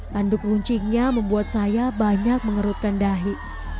tanduk runcingnya membuat saya banyak mengerutkan dahi